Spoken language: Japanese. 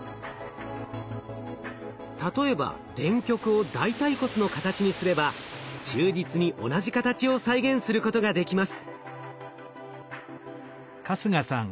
例えば電極を大腿骨の形にすれば忠実に同じ形を再現することができます。